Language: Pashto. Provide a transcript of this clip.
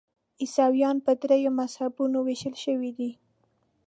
عیسویان په دریو مذهبونو ویشل شوي دي.